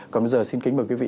còn bây giờ xin kính mời quý vị